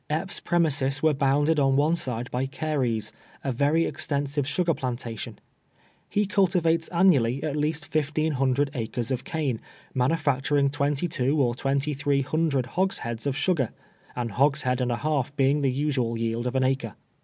Ej^ps' i)remises were bounded on one side by Carey's, a very extensive sugar planta tion, lie cultivates annually at least fifteen himdred acres of cane, manufacturing twenty two or twenty three hundred hogsheads of sugar ; an hogshead and a half being the usual yield of an acre.